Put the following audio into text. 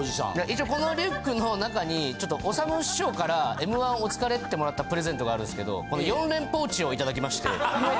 一応このリュックの中にちょっとおさむ師匠から「Ｍ−１お疲れ」ってもらったプレゼントがあるんですけど４連ポーチをいただきまして。